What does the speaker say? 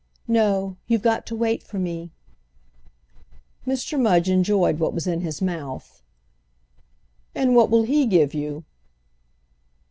"No, you've got to wait for me." Mr. Mudge enjoyed what was in his mouth. "And what will he give you?"